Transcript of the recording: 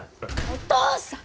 お父さん！